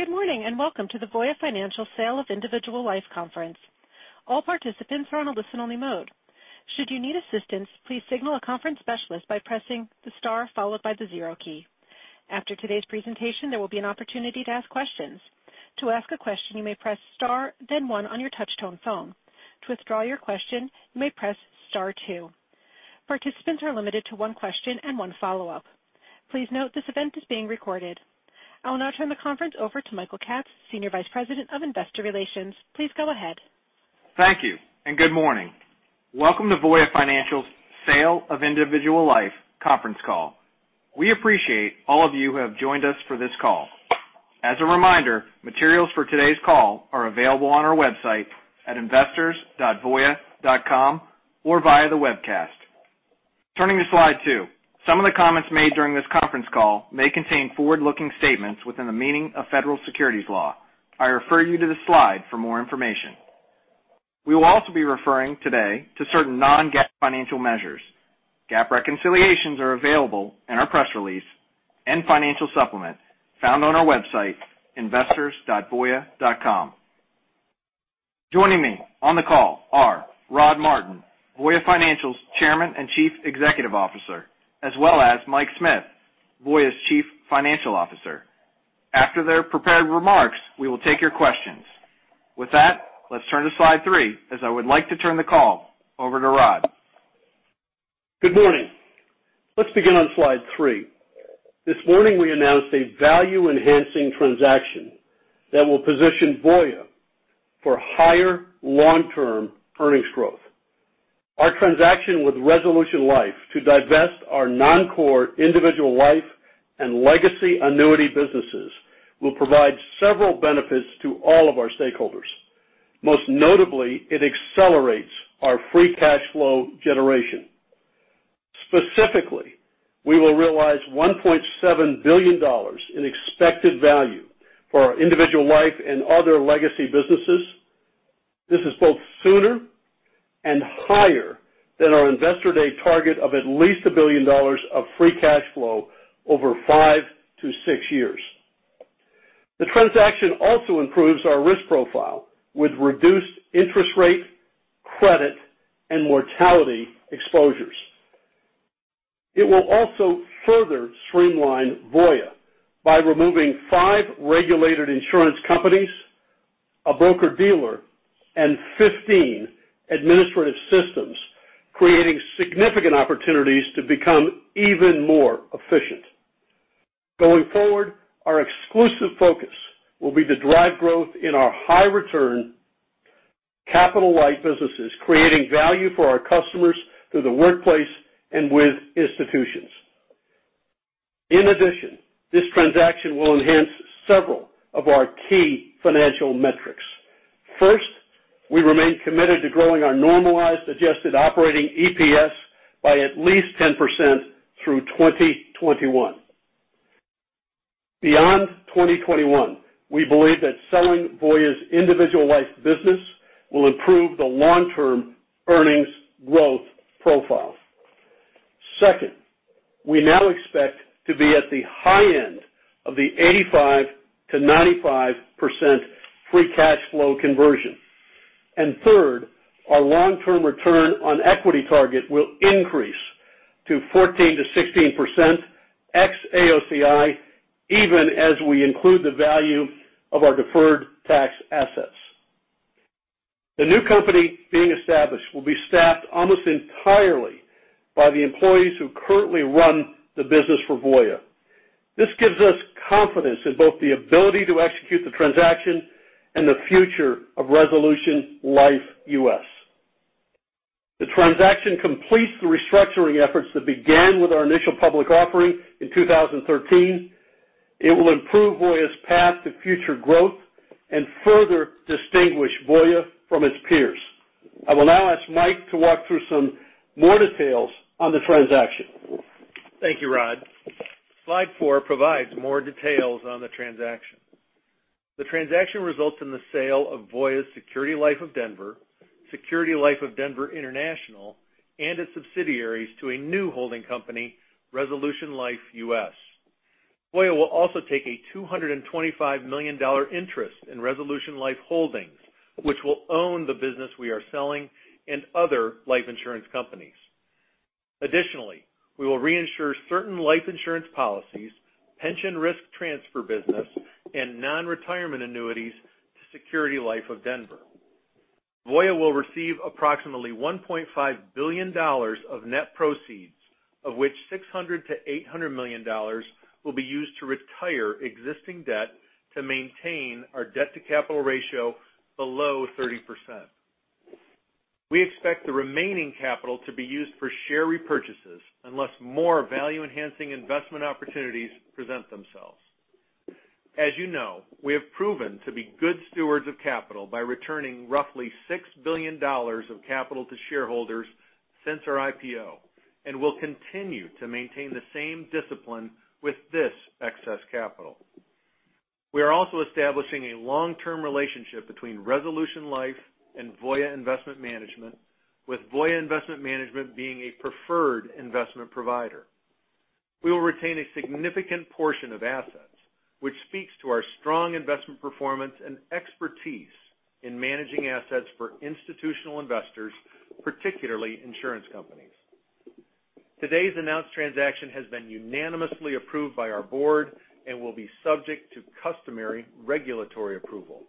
Good morning. Welcome to the Voya Financial Sale of Individual Life Conference. All participants are on a listen-only mode. Should you need assistance, please signal a conference specialist by pressing the star followed by the zero key. After today's presentation, there will be an opportunity to ask questions. To ask a question, you may press star then one on your touch-tone phone. To withdraw your question, you may press star two. Participants are limited to one question and one follow-up. Please note this event is being recorded. I will now turn the conference over to Michael Katz, Senior Vice President of Investor Relations. Please go ahead. Thank you. Good morning. Welcome to Voya Financial's Sale of Individual Life conference call. We appreciate all of you who have joined us for this call. As a reminder, materials for today's call are available on our website at investors.voya.com or via the webcast. Turning to slide two. Some of the comments made during this conference call may contain forward-looking statements within the meaning of Federal Securities Law. I refer you to the slide for more information. We will also be referring today to certain non-GAAP financial measures. GAAP reconciliations are available in our press release and financial supplement found on our website, investors.voya.com. Joining me on the call are Rod Martin, Voya Financial's Chairman and Chief Executive Officer, as well as Mike Smith, Voya's Chief Financial Officer. After their prepared remarks, we will take your questions. With that, let's turn to slide three, as I would like to turn the call over to Rod. Good morning. Let's begin on slide three. This morning, we announced a value-enhancing transaction that will position Voya for higher long-term earnings growth. Our transaction with Resolution Life to divest our non-core Individual Life and legacy annuity businesses will provide several benefits to all of our stakeholders. Most notably, it accelerates our Free Cash Flow generation. Specifically, we will realize $1.7 billion in expected value for our Individual Life and other legacy businesses. This is both sooner and higher than our Investor Day target of at least $1 billion of Free Cash Flow over five to six years. The transaction also improves our risk profile with reduced interest rate, credit, and mortality exposures. It will also further streamline Voya by removing five regulated insurance companies, a broker-dealer, and 15 administrative systems, creating significant opportunities to become even more efficient. Going forward, our exclusive focus will be to drive growth in our high return capital-light businesses, creating value for our customers through the workplace and with institutions. In addition, this transaction will enhance several of our key financial metrics. First, we remain committed to growing our normalized adjusted operating EPS by at least 10% through 2021. Beyond 2021, we believe that selling Voya's Individual Life business will improve the long-term earnings growth profile. Second, we now expect to be at the high end of the 85%-95% Free Cash Flow Conversion. Third, our long-term return on equity target will increase to 14%-16% ex-AOCI, even as we include the value of our deferred tax assets. The new company being established will be staffed almost entirely by the employees who currently run the business for Voya. This gives us confidence in both the ability to execute the transaction and the future of Resolution Life US. The transaction completes the restructuring efforts that began with our initial public offering in 2013. It will improve Voya's path to future growth and further distinguish Voya from its peers. I will now ask Mike to walk through some more details on the transaction. Thank you, Rod. Slide four provides more details on the transaction. The transaction results in the sale of Voya's Security Life of Denver, Security Life of Denver International, and its subsidiaries to a new holding company, Resolution Life US. Voya will also take a $225 million interest in Resolution Life Holdings, which will own the business we are selling and other life insurance companies. Additionally, we will reinsure certain life insurance policies, pension risk transfer business, and non-retirement annuities to Security Life of Denver. Voya will receive approximately $1.5 billion of net proceeds, of which $600 million-$800 million will be used to retire existing debt to maintain our debt to capital ratio below 30%. We expect the remaining capital to be used for share repurchases unless more value-enhancing investment opportunities present themselves. As you know, we have proven to be good stewards of capital by returning roughly $6 billion of capital to shareholders since our IPO and will continue to maintain the same discipline with this excess capital. We are also establishing a long-term relationship between Resolution Life and Voya Investment Management, with Voya Investment Management being a preferred investment provider. We will retain a significant portion of assets, which speaks to our strong investment performance and expertise in managing assets for institutional investors, particularly insurance companies. Today's announced transaction has been unanimously approved by our board and will be subject to customary regulatory approval.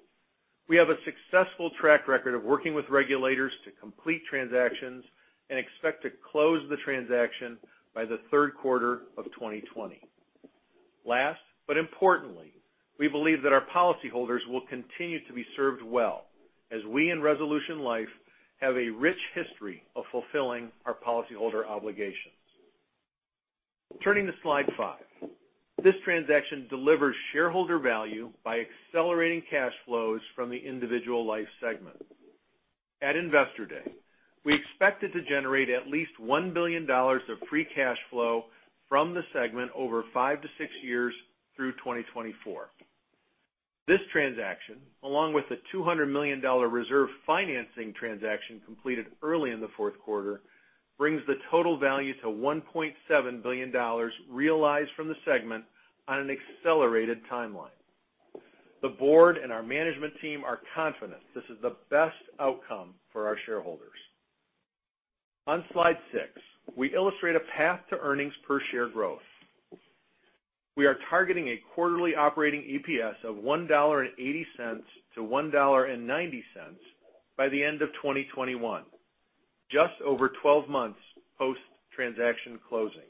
We have a successful track record of working with regulators to complete transactions and expect to close the transaction by the third quarter of 2020. Last, but importantly, we believe that our policyholders will continue to be served well as we and Resolution Life have a rich history of fulfilling our policyholder obligations. Turning to slide five. This transaction delivers shareholder value by accelerating cash flows from the Individual Life segment. At Investor Day, we expected to generate at least $1 billion of free cash flow from the segment over five to six years through 2024. This transaction, along with the $200 million reserve financing transaction completed early in the fourth quarter, brings the total value to $1.7 billion realized from the segment on an accelerated timeline. The board and our management team are confident this is the best outcome for our shareholders. On slide six, we illustrate a path to earnings per share growth. We are targeting a quarterly operating EPS of $1.80 to $1.90 by the end of 2021, just over 12 months post-transaction closing.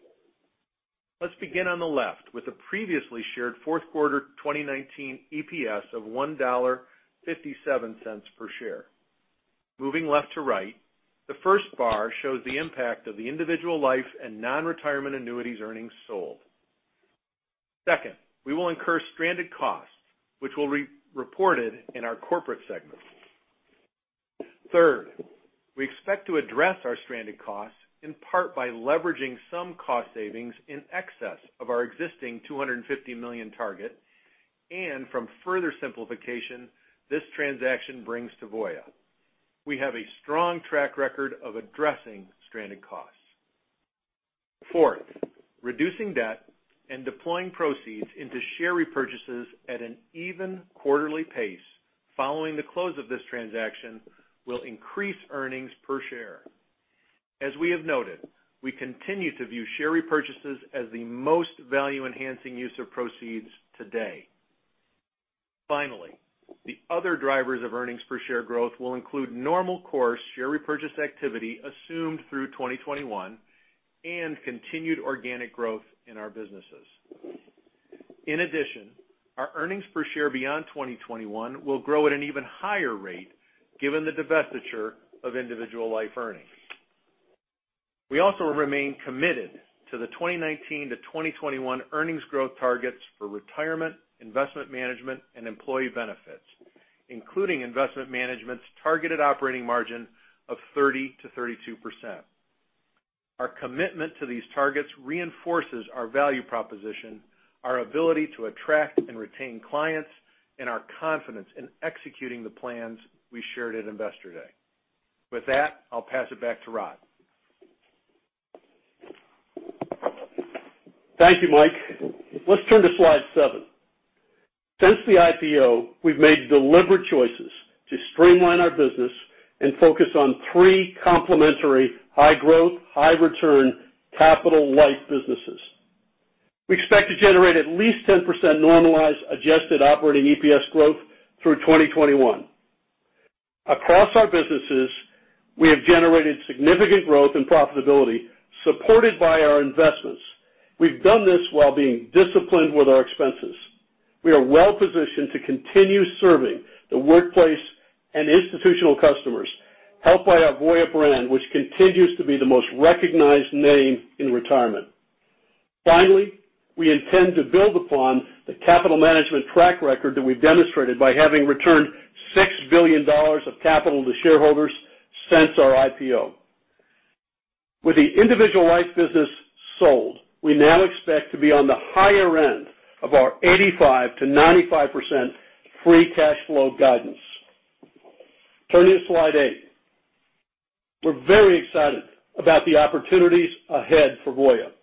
Let's begin on the left with the previously shared fourth quarter 2019 EPS of $1.57 per share. Moving left to right, the first bar shows the impact of the Individual Life and non-Retirement annuities earnings sold. Second, we will incur stranded costs, which will be reported in our corporate segment. Third, we expect to address our stranded costs in part by leveraging some cost savings in excess of our existing $250 million target, and from further simplification, this transaction brings to Voya. We have a strong track record of addressing stranded costs. Fourth, reducing debt and deploying proceeds into share repurchases at an even quarterly pace following the close of this transaction will increase earnings per share. As we have noted, we continue to view share repurchases as the most value-enhancing use of proceeds today. Finally, the other drivers of earnings per share growth will include normal course share repurchase activity assumed through 2021 and continued organic growth in our businesses. In addition, our earnings per share beyond 2021 will grow at an even higher rate given the divestiture of Individual Life earnings. We also remain committed to the 2019 to 2021 earnings growth targets for Retirement, Investment Management, and Employee Benefits, including Investment Management's targeted operating margin of 30%-32%. Our commitment to these targets reinforces our value proposition, our ability to attract and retain clients, and our confidence in executing the plans we shared at Investor Day. With that, I'll pass it back to Rod. Thank you, Mike. Let's turn to slide seven. Since the IPO, we've made deliberate choices to streamline our business and focus on three complementary high-growth, high-return capital-light businesses. We expect to generate at least 10% normalized adjusted operating EPS growth through 2021. Across our businesses, we have generated significant growth and profitability, supported by our investments. We've done this while being disciplined with our expenses. We are well-positioned to continue serving the workplace and institutional customers, helped by our Voya brand, which continues to be the most recognized name in Retirement. Finally, we intend to build upon the capital management track record that we've demonstrated by having returned $6 billion of capital to shareholders since our IPO. With the Individual Life business sold, we now expect to be on the higher end of our 85%-95% free cash flow guidance. Turning to slide eight. We're very excited about the opportunities ahead for Voya Financial.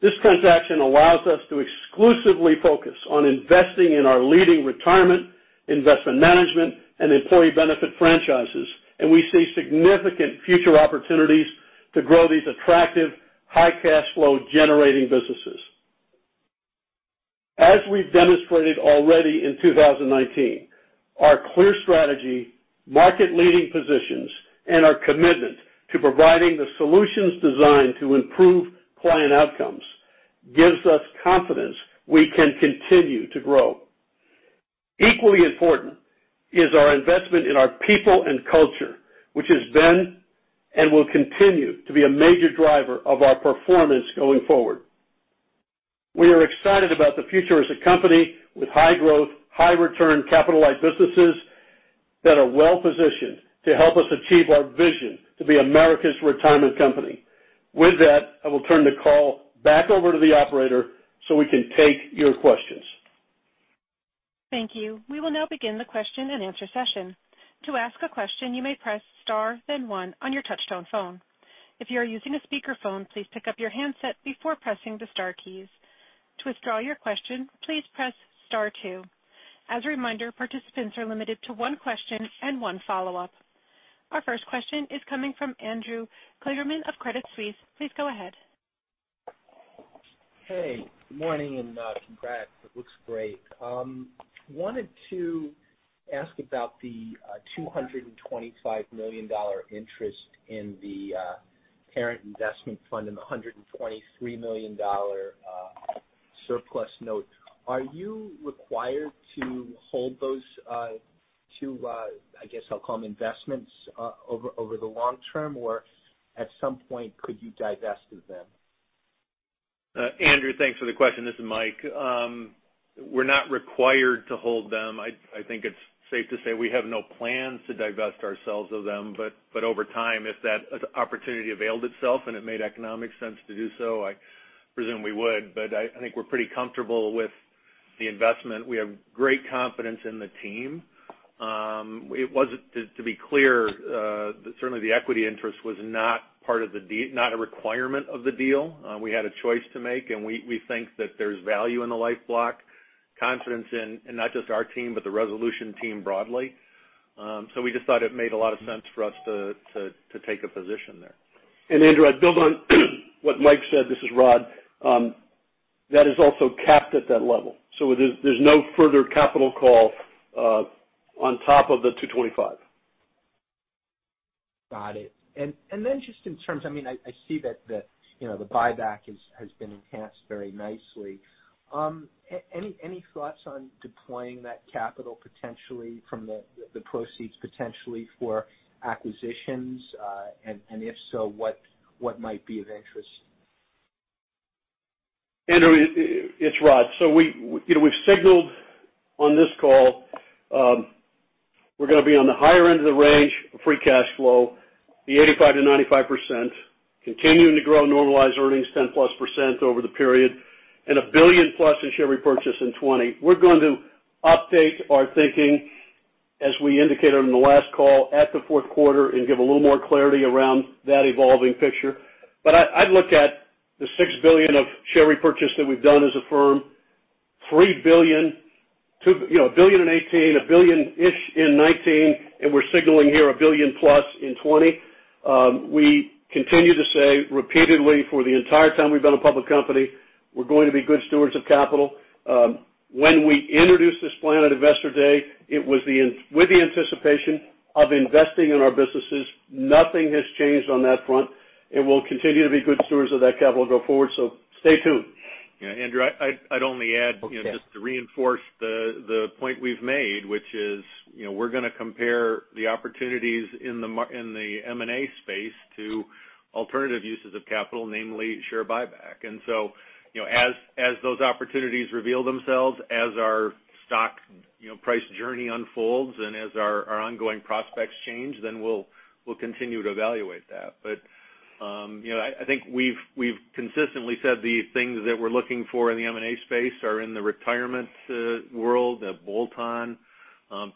This transaction allows us to exclusively focus on investing in our leading Retirement, Investment Management, and Employee Benefits franchises. We see significant future opportunities to grow these attractive, high cash flow-generating businesses. As we've demonstrated already in 2019, our clear strategy, market-leading positions, and our commitment to providing the solutions designed to improve client outcomes gives us confidence we can continue to grow. Equally important is our investment in our people and culture, which has been and will continue to be a major driver of our performance going forward. We are excited about the future as a company with high growth, high return capital-light businesses that are well-positioned to help us achieve our vision to be America's retirement company. With that, I will turn the call back over to the operator so we can take your questions. Thank you. We will now begin the question and answer session. To ask a question, you may press star then one on your touch-tone phone. If you are using a speakerphone, please pick up your handset before pressing the star keys. To withdraw your question, please press star two. As a reminder, participants are limited to one question and one follow-up. Our first question is coming from Andrew Kligerman of Credit Suisse. Please go ahead. Hey, good morning and congrats. It looks great. Wanted to ask about the $225 million interest in the parent investment fund and the $123 million surplus note. Are you required to hold those two, I guess I'll call them investments, over the long term or at some point could you divest of them? Andrew, thanks for the question. This is Mike. We're not required to hold them. I think it's safe to say we have no plans to divest ourselves of them. Over time, if that opportunity availed itself and it made economic sense to do so, I presume we would. I think we're pretty comfortable with the investment. We have great confidence in the team. To be clear, certainly the equity interest was not a requirement of the deal. We had a choice to make, and we think that there's value in the life block, confidence in not just our team, but the Resolution team broadly. We just thought it made a lot of sense for us to take a position there. Andrew, I'd build on what Mike said. This is Rod. That is also capped at that level. There's no further capital call on top of the $225. Got it. Just in terms, I see that the buyback has been enhanced very nicely. Any thoughts on deploying that capital potentially from the proceeds potentially for acquisitions? If so, what might be of interest? Andrew, it's Rod. We've signaled on this call, we're going to be on the higher end of the range of free cash flow, the 85%-95%, continuing to grow normalized earnings 10+% over the period, and $1 billion-plus in share repurchase in 2020. We're going to update our thinking, as we indicated on the last call at the fourth quarter, and give a little more clarity around that evolving picture. I'd look at the $6 billion of share repurchase that we've done as a firm, $3 billion, $1 billion in 2018, $1 billion-ish in 2019, and we're signaling here $1 billion-plus in 2020. We continue to say repeatedly for the entire time we've been a public company, we're going to be good stewards of capital. When we introduced this plan at Investor Day, it was with the anticipation of investing in our businesses. Nothing has changed on that front, we'll continue to be good stewards of that capital going forward. Stay tuned. Yeah, Andrew, I'd only add. Okay just to reinforce the point we've made, which is we're going to compare the opportunities in the M&A space to alternative uses of capital, namely share buyback. As those opportunities reveal themselves, as our stock price journey unfolds, and as our ongoing prospects change, then we'll continue to evaluate that. I think we've consistently said the things that we're looking for in the M&A space are in the Retirement world, a bolt-on,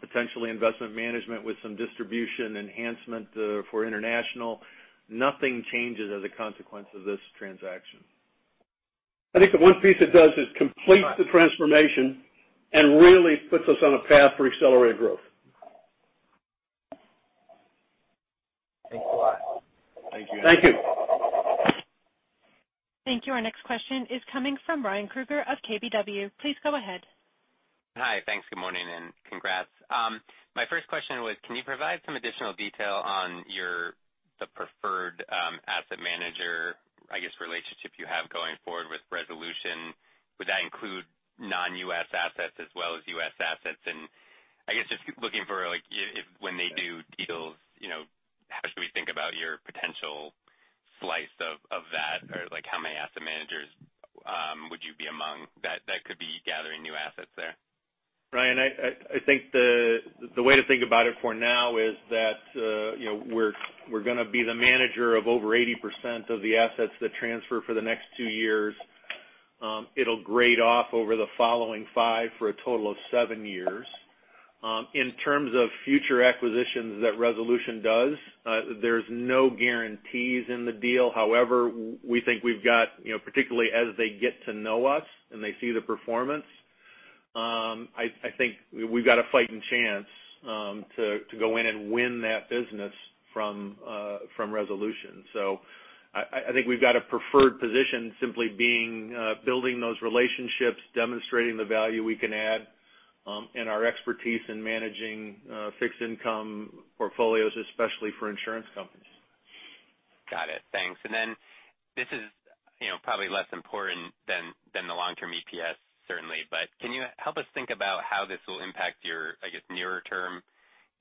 potentially Investment Management with some distribution enhancement for international. Nothing changes as a consequence of this transaction. I think the one piece it does is completes the transformation and really puts us on a path for accelerated growth. Thanks a lot. Thank you. Thank you. Thank you. Our next question is coming from Ryan Krueger of KBW. Please go ahead. Hi. Thanks. Good morning and congrats. My first question was, can you provide some additional detail on the preferred asset manager, I guess, relationship you have going forward with Resolution? Would that include non-U.S. assets as well as U.S. assets? And I guess just looking for when they do deals, how should we think about your potential slice of that? Or how many asset managers would you be among that could be gathering new assets there? Ryan, I think the way to think about it for now is that we're going to be the manager of over 80% of the assets that transfer for the next two years. It'll grade off over the following five for a total of seven years. In terms of future acquisitions that Resolution does, there's no guarantees in the deal. However, we think we've got, particularly as they get to know us and they see the performance, I think we've got a fighting chance to go in and win that business from Resolution. I think we've got a preferred position simply building those relationships, demonstrating the value we can add, and our expertise in managing fixed income portfolios, especially for insurance companies. Got it. Thanks. This is probably less important than the long-term EPS, certainly, but can you help us think about how this will impact your, I guess, nearer term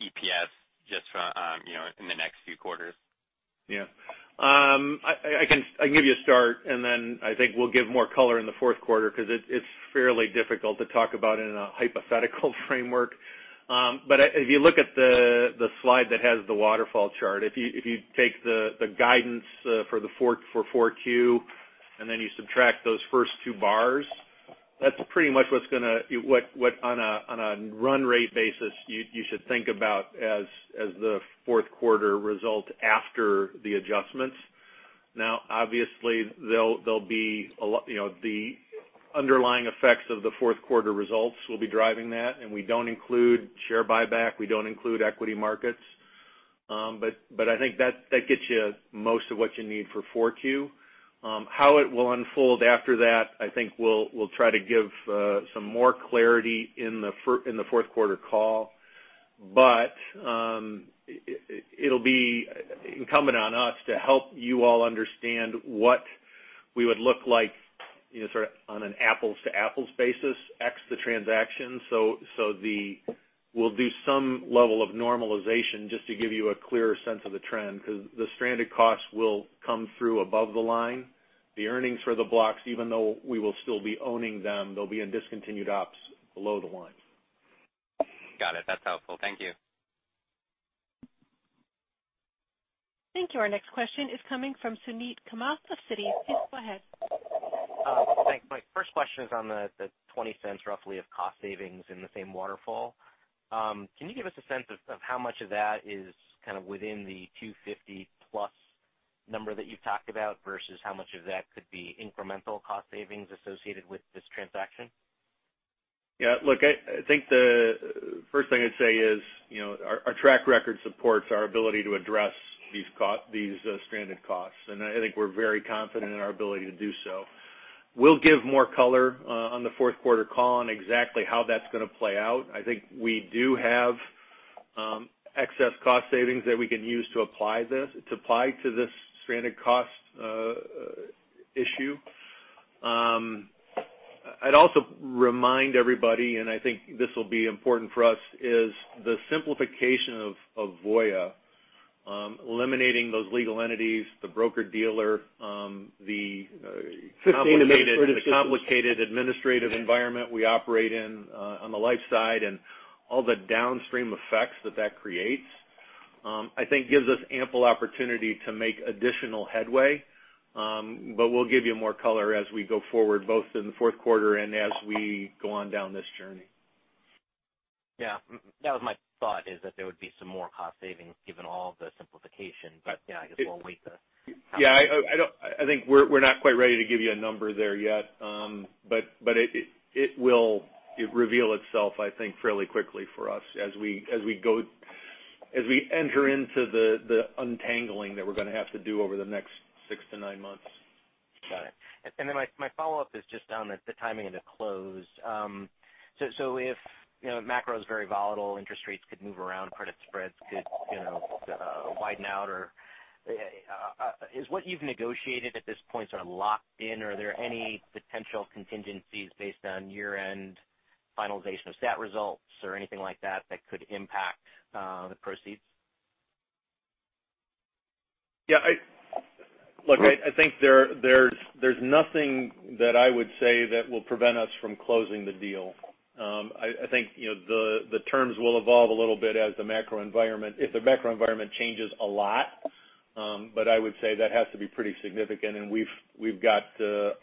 EPS just in the next few quarters? Yeah. I can give you a start, I think we'll give more color in the fourth quarter because it's fairly difficult to talk about in a hypothetical framework. If you look at the slide that has the waterfall chart, if you take the guidance for 4Q you subtract those first two bars. That's pretty much what, on a run rate basis, you should think about as the fourth quarter result after the adjustments. Obviously, the underlying effects of the fourth quarter results will be driving that, we don't include share buyback, we don't include equity markets. I think that gets you most of what you need for 4Q. How it will unfold after that, I think we'll try to give some more clarity in the fourth-quarter call. It'll be incumbent on us to help you all understand what we would look like, sort of on an apples-to-apples basis, ex the transaction. We'll do some level of normalization just to give you a clearer sense of the trend, because the stranded costs will come through above the line. The earnings for the blocks, even though we will still be owning them, they'll be in Discontinued Operations below the line. Got it. That's helpful. Thank you. Thank you. Our next question is coming from Suneet Kamath of Citi. Please go ahead. Thanks. My first question is on the $0.20, roughly, of cost savings in the same waterfall. Can you give us a sense of how much of that is kind of within the 250+ number that you've talked about versus how much of that could be incremental cost savings associated with this transaction? Look, I think the first thing I'd say is our track record supports our ability to address these stranded costs, and I think we're very confident in our ability to do so. We'll give more color on the fourth quarter call on exactly how that's going to play out. I think we do have excess cost savings that we can use to apply to this stranded cost issue. I'd also remind everybody, and I think this will be important for us, is the simplification of Voya. Eliminating those legal entities, the broker-dealer- 15 administrative systems The complicated administrative environment we operate in on the life side, and all the downstream effects that that creates, I think gives us ample opportunity to make additional headway. We'll give you more color as we go forward, both in the fourth quarter and as we go on down this journey. Yeah. That was my thought, is that there would be some more cost savings given all the simplification. I guess we'll wait. Yeah. I think we're not quite ready to give you a number there yet. It will reveal itself, I think, fairly quickly for us as we enter into the untangling that we're going to have to do over the next six to nine months. Got it. My follow-up is just on the timing of the close. If macro is very volatile, interest rates could move around, credit spreads could widen out or Is what you've negotiated at this point sort of locked in? Are there any potential contingencies based on year-end finalization of statutory results or anything like that could impact the proceeds? Look, I think there's nothing that I would say that will prevent us from closing the deal. I think the terms will evolve a little bit if the macro environment changes a lot. I would say that has to be pretty significant, and we've got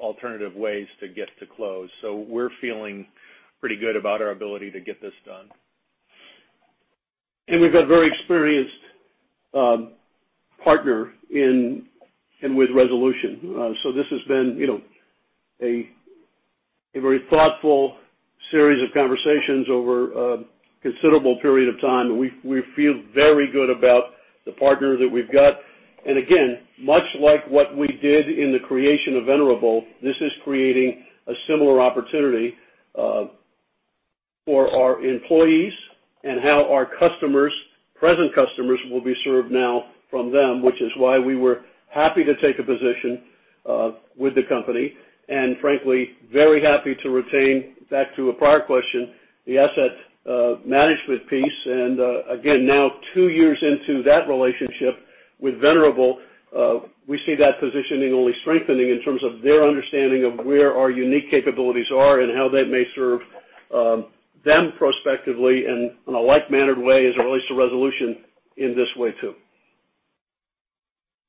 alternative ways to get to close. We're feeling pretty good about our ability to get this done. We've got a very experienced partner in with Resolution. This has been a very thoughtful series of conversations over a considerable period of time. We feel very good about the partner that we've got. Again, much like what we did in the creation of Venerable, this is creating a similar opportunity for our employees and how our present customers will be served now from them, which is why we were happy to take a position with the company. Frankly, very happy to retain, back to a prior question, the asset management piece. Again, now two years into that relationship with Venerable, we see that positioning only strengthening in terms of their understanding of where our unique capabilities are and how that may serve them prospectively and in a like-mannered way as it relates to Resolution in this way too.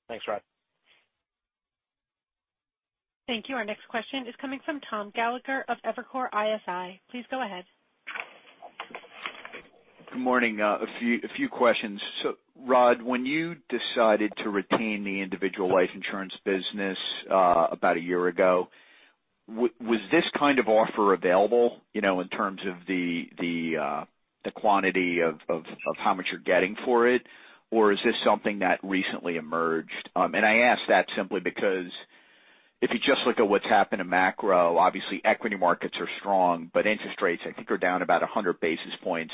Thanks, Rod. Thank you. Our next question is coming from Thomas Gallagher of Evercore ISI. Please go ahead. Good morning. A few questions. Rod, when you decided to retain the Individual Life insurance business about a year ago, was this kind of offer available in terms of the quantity of how much you're getting for it? Or is this something that recently emerged? I ask that simply because if you just look at what's happened to macro, obviously equity markets are strong, but interest rates, I think, are down about 100 basis points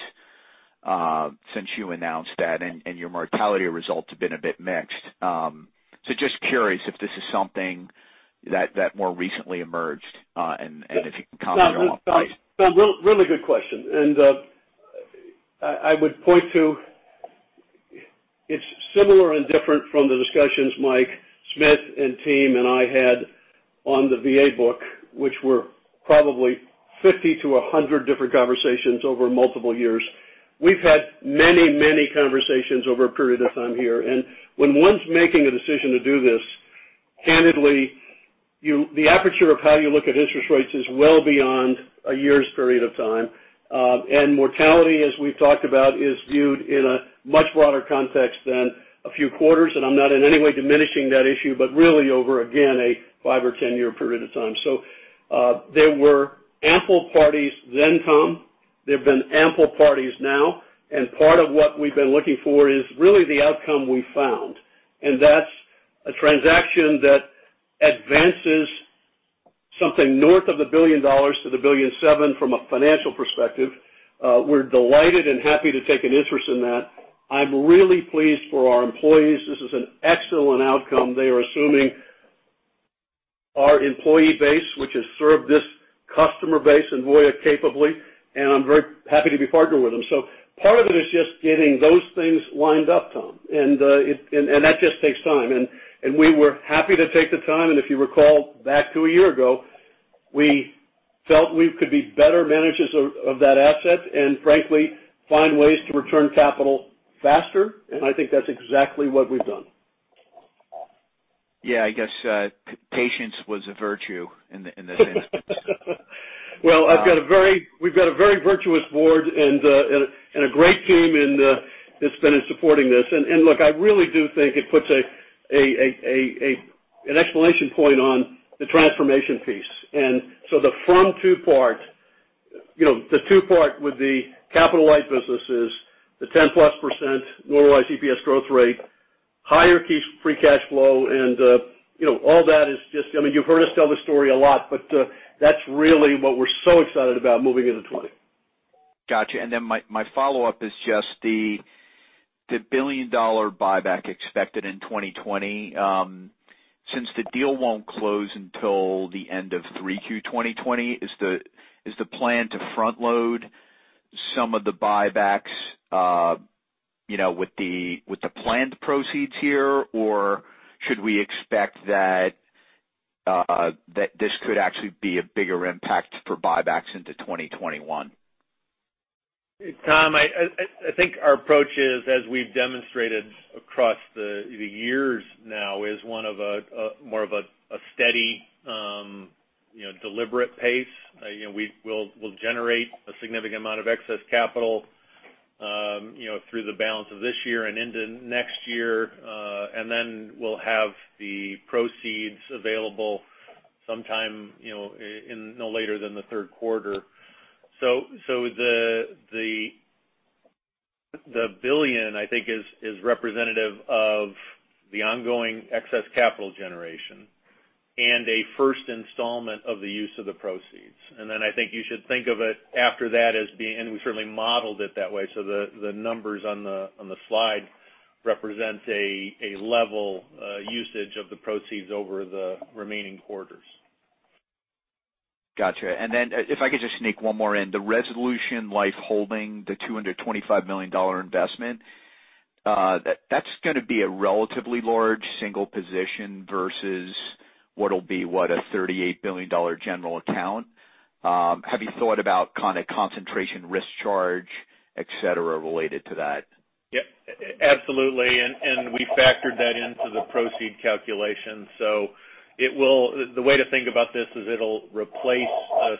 since you announced that, and your mortality results have been a bit mixed. Just curious if this is something that more recently emerged and if you can comment on price. Tom, really good question. I would point to, it's similar and different from the discussions Michael Smith and team and I had on the VA book, which were probably 50 to 100 different conversations over multiple years. We've had many, many conversations over a period of time here. When one's making a decision to do this, candidly, the aperture of how you look at interest rates is well beyond a year's period of time. Mortality, as we've talked about, is viewed in a much broader context than a few quarters, and I'm not in any way diminishing that issue, but really over, again, a 5 or 10-year period of time. There were ample parties then, Tom, there have been ample parties now, and part of what we've been looking for is really the outcome we found. That's a transaction that advances something north of the $1 billion to the $1.7 billion from a financial perspective. We're delighted and happy to take an interest in that. I'm really pleased for our employees. This is an excellent outcome. They are assuming our employee base, which has served this customer base and Voya capably, and I'm very happy to be partnered with them. Part of it is just getting those things lined up, Tom, that just takes time. We were happy to take the time, if you recall back to a year ago, we felt we could be better managers of that asset and frankly, find ways to return capital faster. I think that's exactly what we've done. Yeah, I guess patience was a virtue in this instance. Well, we've got a very virtuous board and a great team that's been in supporting this. Look, I really do think it puts an explanation point on the transformation piece. The front two part, the two part with the capital-light businesses, the 10-plus % normalized EPS growth rate, higher free cash flow. You've heard us tell the story a lot, that's really what we're so excited about moving into 2020. Got you. My follow-up is just the $1 billion buyback expected in 2020. Since the deal won't close until the end of 3Q 2020, is the plan to front-load some of the buybacks with the planned proceeds here? Or should we expect that this could actually be a bigger impact for buybacks into 2021? Tom, I think our approach is, as we've demonstrated across the years now, is more of a steady, deliberate pace. We'll generate a significant amount of excess capital through the balance of this year and into next year, then we'll have the proceeds available sometime no later than the third quarter. The $1 billion, I think is representative of the ongoing excess capital generation and a first installment of the use of the proceeds. I think you should think of it after that as being, and we certainly modeled it that way, the numbers on the slide represents a level usage of the proceeds over the remaining quarters. Got you. If I could just sneak one more in. The Resolution Life holding, the $225 million investment, that's going to be a relatively large single position versus what'll be, what, a $38 billion general account. Have you thought about concentration risk charge, et cetera, related to that? Yeah, absolutely. We factored that into the proceed calculation. The way to think about this is it'll replace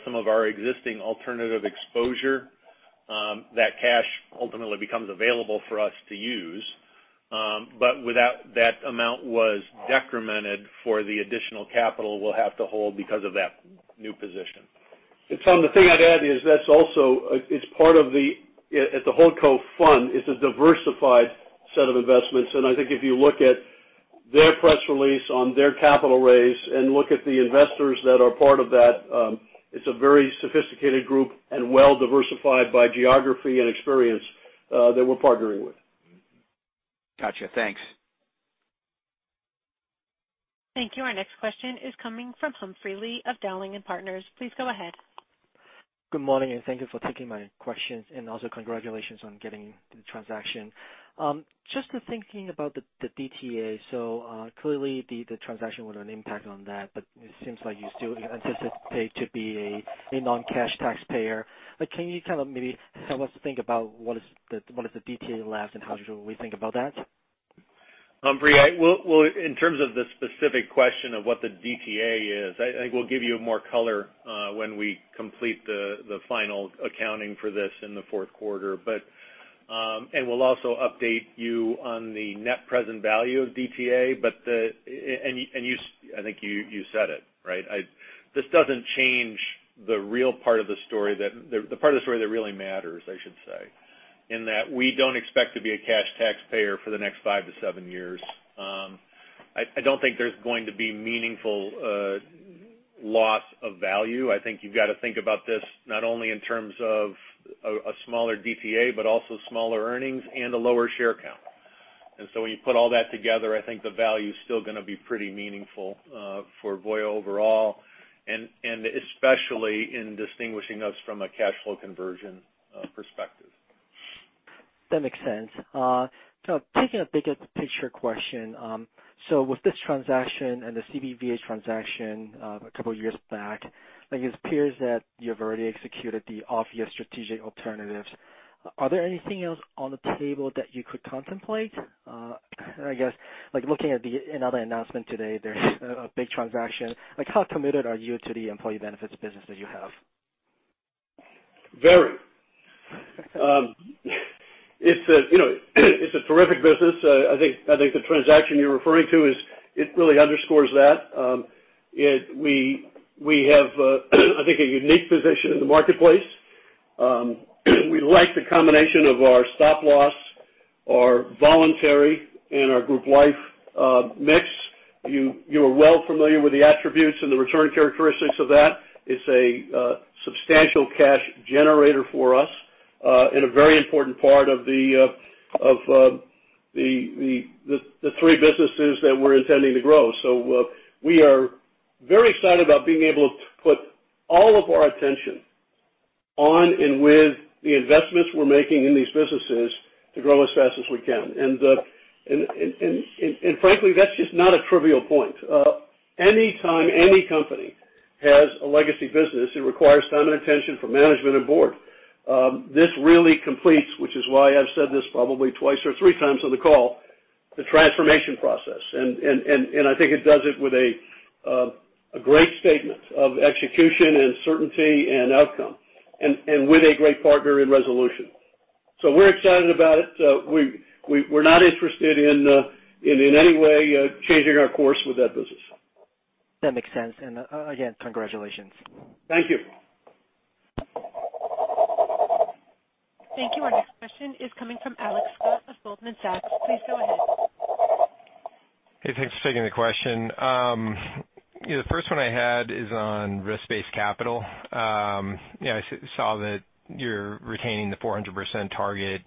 some of our existing alternative exposure. That cash ultimately becomes available for us to use. That amount was decremented for the additional capital we'll have to hold because of that new position. Tom, the thing I'd add is it's part of the Holdco fund. It's a diversified set of investments. I think if you look at their press release on their capital raise and look at the investors that are part of that, it's a very sophisticated group and well diversified by geography and experience that we're partnering with. Got you. Thanks. Thank you. Our next question is coming from Humphrey Lee of Dowling & Partners. Please go ahead. Good morning, and thank you for taking my questions, and also congratulations on getting the transaction. Just thinking about the DTA. Clearly, the transaction was an impact on that, but it seems like you still anticipate to be a non-cash taxpayer. Can you kind of maybe help us think about what is the DTA left, and how should we think about that? Humphrey, in terms of the specific question of what the DTA is, I think we'll give you more color when we complete the final accounting for this in the fourth quarter. We'll also update you on the net present value of DTA. I think you said it, right? This doesn't change the part of the story that really matters, I should say, in that we don't expect to be a cash taxpayer for the next five to seven years. I don't think there's going to be meaningful loss of value. I think you've got to think about this not only in terms of a smaller DTA, but also smaller earnings and a lower share count. When you put all that together, I think the value's still going to be pretty meaningful for Voya overall, and especially in distinguishing us from a cash flow conversion perspective. That makes sense. Taking a bigger picture question, with this transaction and the CBVA transaction a couple years back, it appears that you've already executed the obvious strategic alternatives. Are there anything else on the table that you could contemplate? I guess, looking at another announcement today, there's a big transaction. How committed are you to the Employee Benefits business that you have? Very. It's a terrific business. I think the transaction you're referring to, it really underscores that. We have, I think, a unique position in the marketplace. We like the combination of our Stop Loss, our voluntary, and our group life mix. You are well familiar with the attributes and the return characteristics of that. It's a substantial cash generator for us, and a very important part of the three businesses that we're intending to grow. We are very excited about being able to put all of our attention on and with the investments we're making in these businesses to grow as fast as we can. Frankly, that's just not a trivial point. Any time any company has a legacy business, it requires time and attention from management and board. This really completes, which is why I've said this probably twice or three times on the call, the transformation process. I think it does it with a great statement of execution and certainty and outcome, and with a great partner in Resolution. We're excited about it. We're not interested in any way changing our course with that business. That makes sense. Again, congratulations. Thank you. Thank you. Our next question is coming from Alex Scott of Goldman Sachs. Please go ahead. Hey, thanks for taking the question. The first one I had is on risk-based capital. I saw that you're retaining the 400% target.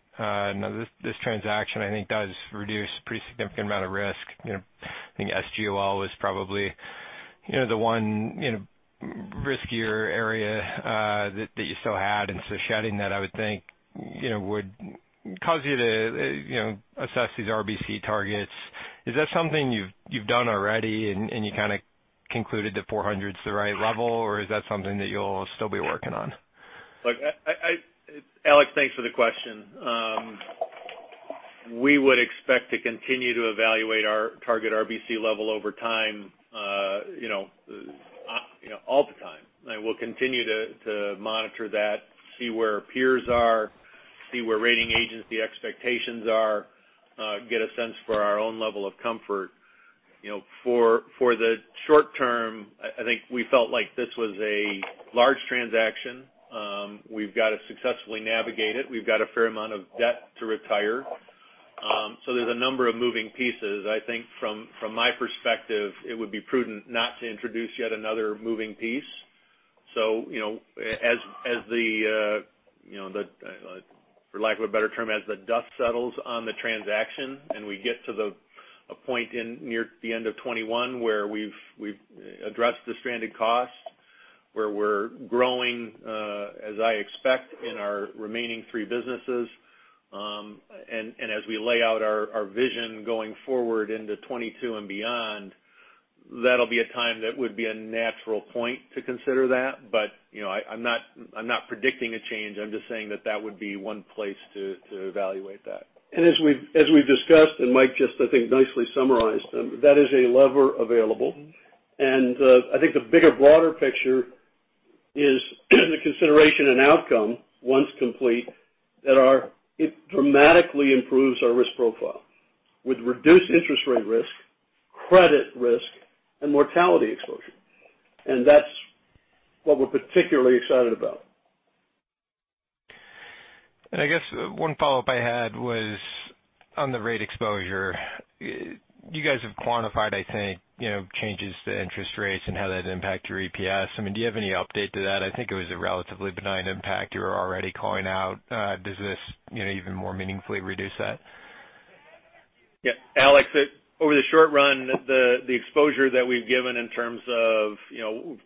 This transaction, I think, does reduce a pretty significant amount of risk. I think SGOL was probably the one riskier area that you still had. Shedding that, I would think, would cause you to assess these RBC targets. Is that something you've done already and you kind of concluded that 400's the right level, or is that something that you'll still be working on? Alex, thanks for the question. We would expect to continue to evaluate our target RBC level over time, all the time. We'll continue to monitor that, see where our peers are, see where rating agency expectations are, get a sense for our own level of comfort. For the short term, I think we felt like this was a large transaction. We've got to successfully navigate it. We've got a fair amount of debt to retire. There's a number of moving pieces. I think from my perspective, it would be prudent not to introduce yet another moving piece. As the, for lack of a better term, as the dust settles on the transaction, and we get to a point near the end of 2021 where we've addressed the stranded costs, where we're growing, as I expect, in our remaining three businesses, and as we lay out our vision going forward into 2022 and beyond, that'll be a time that would be a natural point to consider that. I'm not predicting a change. I'm just saying that that would be one place to evaluate that. As we've discussed, and Mike just, I think, nicely summarized, that is a lever available. I think the bigger, broader picture is the consideration and outcome, once complete, that it dramatically improves our risk profile with reduced interest rate risk, credit risk, and mortality exposure. That's what we're particularly excited about. I guess one follow-up I had was on the rate exposure. You guys have quantified, I think, changes to interest rates and how that'd impact your EPS. Do you have any update to that? I think it was a relatively benign impact you were already calling out. Does this even more meaningfully reduce that? Yeah. Alex, over the short run, the exposure that we've given in terms of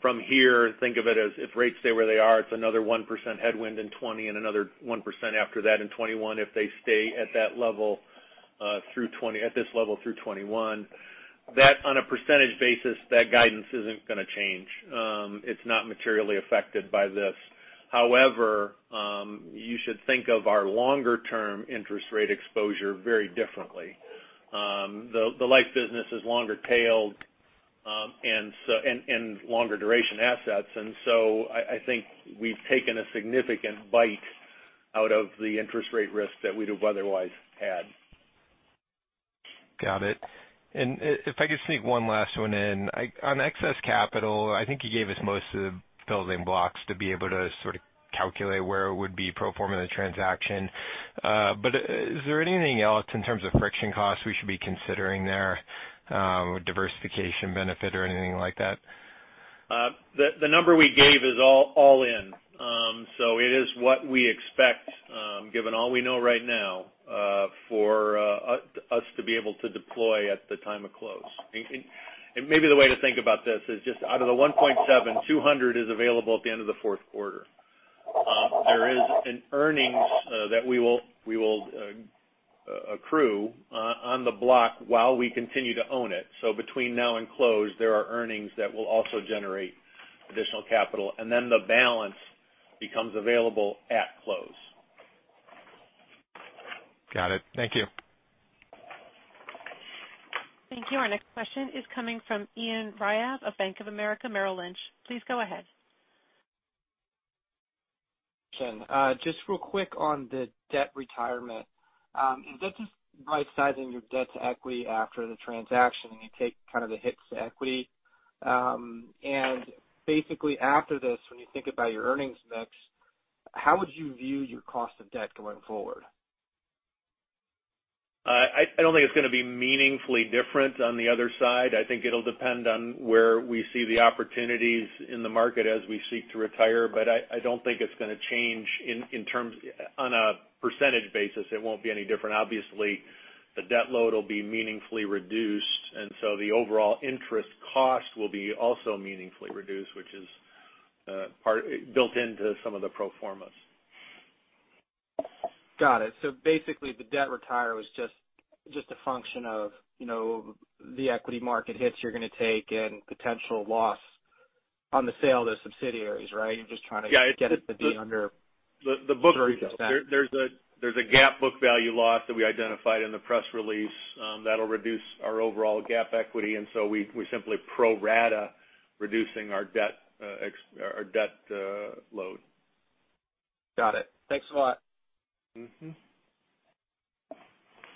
from here, think of it as if rates stay where they are, it's another 1% headwind in 2020 and another 1% after that in 2021, if they stay at this level through 2021. On a percentage basis, that guidance isn't going to change. It's not materially affected by this. However, you should think of our longer-term interest rate exposure very differently. The life business is longer tailed and longer duration assets. I think we've taken a significant bite out of the interest rate risk that we'd have otherwise had. Got it. If I could sneak one last one in. On excess capital, I think you gave us most of the building blocks to be able to sort of calculate where it would be pro forma in the transaction. Is there anything else in terms of friction costs we should be considering there, diversification benefit or anything like that? The number we gave is all in. It is what we expect, given all we know right now for us to be able to deploy at the time of close. Maybe the way to think about this is just out of the $1.7, $200 is available at the end of the fourth quarter. There is an earnings that we will accrue on the block while we continue to own it. Between now and close, there are earnings that will also generate additional capital, and then the balance becomes available at close. Got it. Thank you. Thank you. Our next question is coming from Ian Ryave of Bank of America Merrill Lynch. Please go ahead. Ian. Just real quick on the debt retirement. Is this just right-sizing your debt to equity after the transaction and you take kind of the hits to equity? Basically, after this, when you think about your earnings mix, how would you view your cost of debt going forward? I don't think it's going to be meaningfully different on the other side. I think it'll depend on where we see the opportunities in the market as we seek to retire, but I don't think it's going to change. On a percentage basis, it won't be any different. Obviously, the debt load will be meaningfully reduced. The overall interest cost will be also meaningfully reduced, which is built into some of the pro formas. Got it. Basically, the debt retire was just a function of the equity market hits you're going to take and potential loss on the sale of the subsidiaries, right? You're just trying to- Yeah get it to be under- There's a GAAP book value loss that we identified in the press release. That'll reduce our overall GAAP equity. We're simply pro rata reducing our debt load. Got it. Thanks a lot.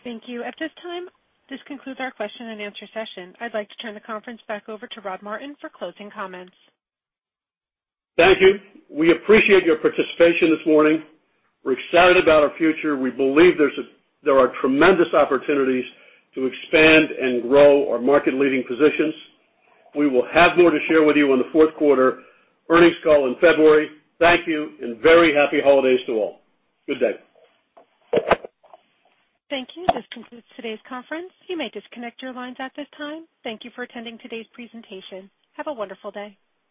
Thank you. At this time, this concludes our question and answer session. I'd like to turn the conference back over to Rod Martin for closing comments. Thank you. We appreciate your participation this morning. We're excited about our future. We believe there are tremendous opportunities to expand and grow our market leading positions. We will have more to share with you on the fourth quarter earnings call in February. Thank you, and very happy holidays to all. Good day. Thank you. This concludes today's conference. You may disconnect your lines at this time. Thank you for attending today's presentation. Have a wonderful day.